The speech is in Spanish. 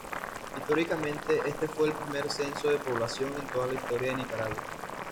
Históricamente, este fue el primer censo de población en toda la Historia de Nicaragua.